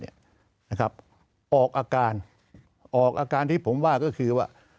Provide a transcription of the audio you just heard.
ออกอาการออกอาการที่ผมว่าก็คือว่า